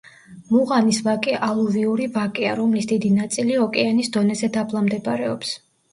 მუღანის ვაკე ალუვიური ვაკეა, რომლის დიდი ნაწილი ოკეანის დონეზე დაბლა მდებარეობს.